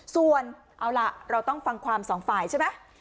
ส่วนเอาล่ะเราต้องฟังความสองฝ่ายใช่ไหม